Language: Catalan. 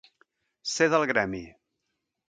Ser del gremi.